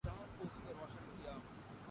کیا تقریر تھی۔